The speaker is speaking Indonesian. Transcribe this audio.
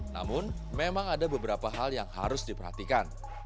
namun memang ada beberapa hal yang harus diperhatikan